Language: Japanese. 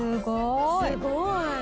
「すごーい！」